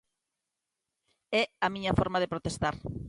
É a miña forma de protestar.